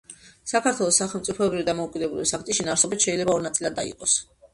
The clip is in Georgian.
საქართველოს სახელმწიფოებრივი დამოუკიდებლობის აქტი შინაარსობრივად შეიძლება ორ ნაწილად დაიყოს.